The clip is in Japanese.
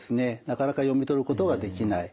なかなか読み取ることができない。